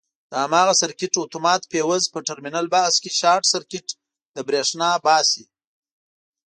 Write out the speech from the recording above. د هماغه سرکټ اتومات فیوز په ټرمینل بکس کې شارټ سرکټ له برېښنا باسي.